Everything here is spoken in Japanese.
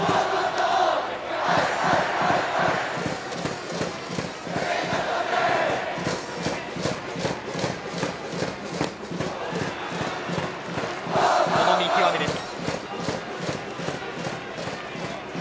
福井、この見極めです。